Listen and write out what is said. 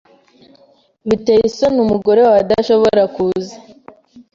Biteye isoni umugore wawe adashobora kuza.